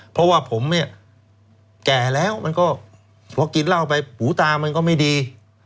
เพราะว่าผมเนี่ยแก่แล้วมันก็พอกินเหล้าไปหูตามันก็ไม่ดี